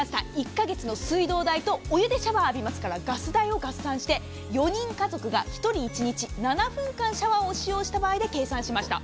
１か月の水道代とお湯でシャワーを浴びますからガス代を合算して４人家族が１人１日７分間シャワーを利用した場合で計算しました。